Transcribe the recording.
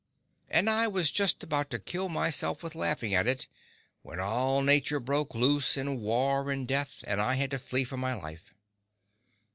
—and I was just about to kill myself with laughing at it when all nature broke loose in war and death, and I had to flee for my life.